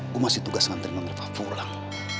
gue masih tugas ngandrin menerima fulang